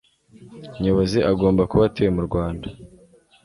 Nyobozi agomba kuba atuye mu Rwanda